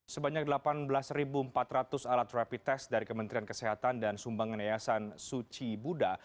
sebanyak delapan belas empat ratus alat rapid test dari kementerian kesehatan dan sumbangan yayasan suci buddha